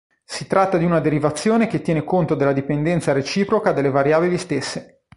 Si tratta di una derivazione che tiene conto della dipendenza reciproca delle variabili stesse.